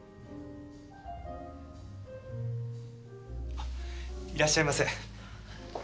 あっいらっしゃいませ。